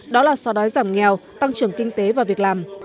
đó là so đói giảm nghèo tăng trưởng kinh tế và việc làm